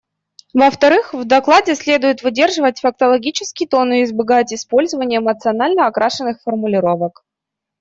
Во-вторых, в докладе следует выдерживать фактологический тон и избегать использования эмоционально окрашенных формулировок.